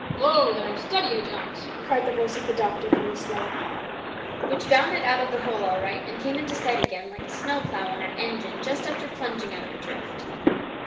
" Whoa ! Steady there, Ajax !" cried the voice of the doctor from the sleigh, which bounded out of the hole all right and came to sight again, like a snowplough on an engine just after plunging out of a drift.